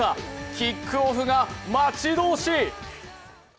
キックオフが待ち遠しい。